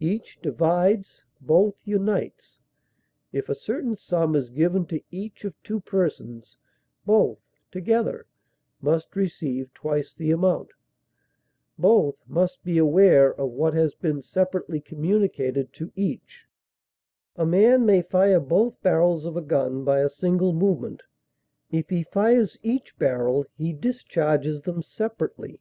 Each divides, both unites; if a certain sum is given to each of two persons, both (together) must receive twice the amount; both must be aware of what has been separately communicated to each; a man may fire both barrels of a gun by a single movement; if he fires each barrel, he discharges them separately.